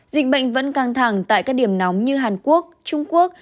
dịch bệnh vẫn căng thẳng tại các điểm nóng như hàn quốc trung quốc